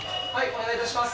お願いいたします。